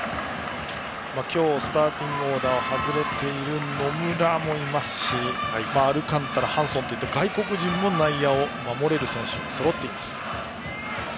今日、スターティングオーダーを外れている野村もいますしアルカンタラ、ハンソンといった外国人も内野を守れる選手がそろっています。